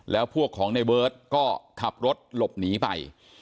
แล้วพวกของในเบิร์ตก็ขับรถหลบหนีไป